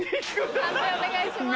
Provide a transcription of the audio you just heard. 判定お願いします。